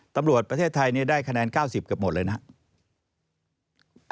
ตำรวจประเทศไทยเนี่ยได้คะแนน๙๐กับหมดเลยนะฮะ